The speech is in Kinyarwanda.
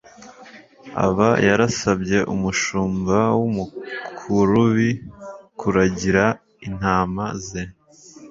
aba yarasabye Umushumba w'umukurubi kuragira intama ze.